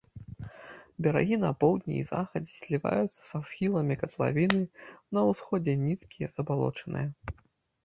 Берагі на поўдні і захадзе зліваюцца са схіламі катлавіны, на ўсходзе нізкія, забалочаныя.